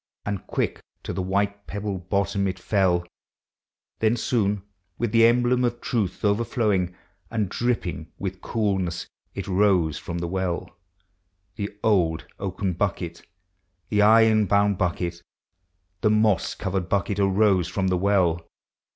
And quick to the white pebbled bottom it fell; Then soon, with the emblem of truth overflowing, And dripping with coolness, it rose from the well ;— The old oaken bucket, the iron bound bucket, The moss covered bucket, arose from the well.